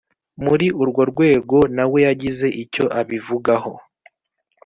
muri urwo rwego na we yagize icyo abivugaho